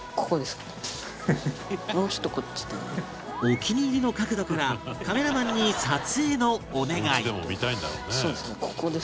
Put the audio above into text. お気に入りの角度からカメラマンに撮影のお願い